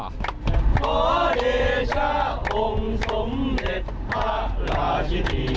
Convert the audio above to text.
ที่เกิดข้าคงสมเด็จ